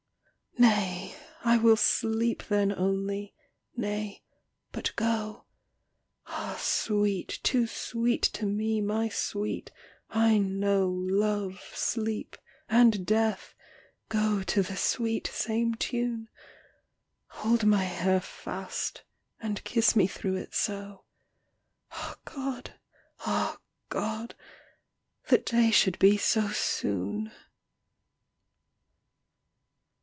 Nay, I will sleep then only; nay, but go. Ah sweet, too sweet to me, my sweet, I know Love, sleep, and death go to the sweet same tune; Hold my hair fast, and kiss me through it so. Ah God, ah God, that day should be so soon.